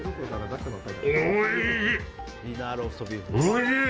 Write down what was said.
おいしい！